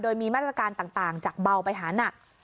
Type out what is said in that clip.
โดยมีมาตรการต่างจากเบาไปหานัก